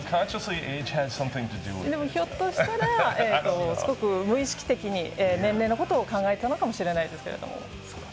でもひょっとしたら、すごく無意識的に年齢のことを考えていたのかもしれないですかね。